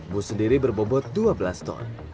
bus sendiri berbobot dua belas ton